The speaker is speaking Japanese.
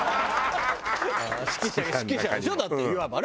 指揮者でしょだっていわばね。